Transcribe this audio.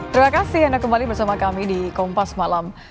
terima kasih anda kembali bersama kami di kompas malam